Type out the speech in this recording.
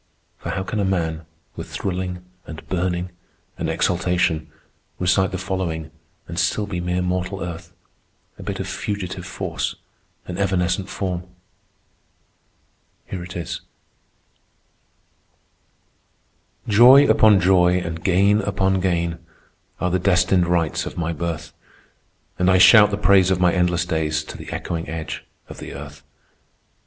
For how can a man, with thrilling, and burning, and exaltation, recite the following and still be mere mortal earth, a bit of fugitive force, an evanescent form? Here it is: "Joy upon joy and gain upon gain Are the destined rights of my birth, And I shout the praise of my endless days To the echoing edge of the earth.